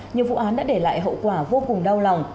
nhiều vụ án đã để lại hậu quả vô cùng đau lòng